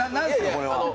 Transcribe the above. これは。